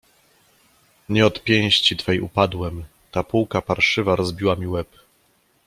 "Nie od pięści twej upadłem, ta półka parszywa rozbiła mi łeb."